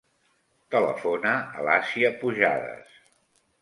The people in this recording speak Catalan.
Telefona a l'Asia Pujadas.